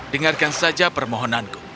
dengarkan saja permohonanku